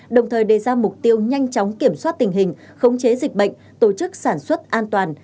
đồng thời đề ra mục tiêu nhanh chóng kiểm soát tình hình khống chế dịch bệnh tổ chức sản xuất an toàn